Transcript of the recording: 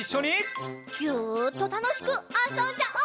ギュッとたのしくあそんじゃおう。